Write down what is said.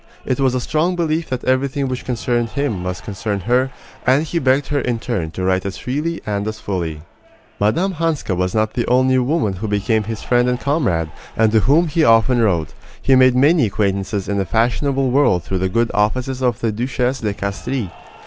It was a strong belief that everything which concerned him must concern her; and he begged her in turn to write as freely and as fully. Mme. Hanska was not the only woman who became his friend and comrade, and to whom he often wrote. He made many acquaintances in the fashionable world through the good offices of the Duchesse de Castries.